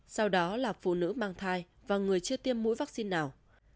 sau đó là phụ nữ mang thai và người chưa tiêm mũi vaccine nào